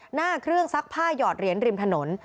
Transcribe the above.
หน้าเครื่องซักผ้าหยอดเหรียญริมถนน